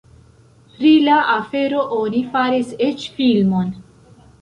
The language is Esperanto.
Pri la afero oni faris eĉ filmon.